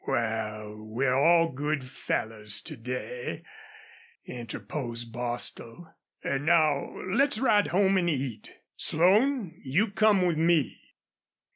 "Wal, we're all good fellers to day," interposed Bostil. "An' now let's ride home an' eat. Slone, you come with me."